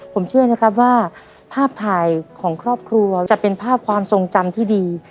ผมเชื่อนะครับว่าภาพถ่ายของครอบครัวจะเป็นภาพความทรงจำที่ดี